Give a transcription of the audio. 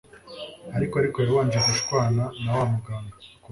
ariko ariko yabanje gushwana na wamuganga